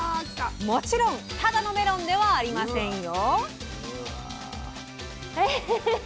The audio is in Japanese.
もちろんただのメロンではありませんよ！